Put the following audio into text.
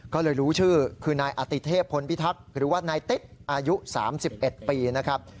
ก็เลยรู้ชื่อคือนายอติเทพพลพิทักษ์หรือว่านายติ๊ดอายุ๓๑ปีนะครับ